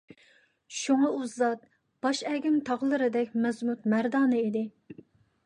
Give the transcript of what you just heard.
شۇڭا ئۇ زات ، باش ئەگىم تاغلىرىدەك مەزمۇت - مەردانە ئىدى .